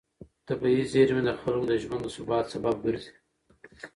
طبیعي زېرمې د خلکو د ژوند د ثبات سبب ګرځي.